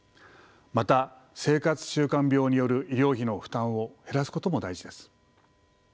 また生活習慣病による医療費の負担を減らすことも大事です。